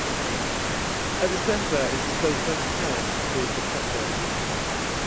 At the city's center is the Sultan's palace called the "kraton".